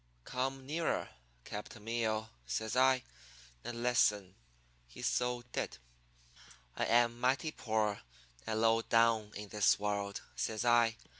"'Come nearer, capitan meeo,' says I, 'and listen.' He so did. "'I am mighty poor and low down in the world,' says I.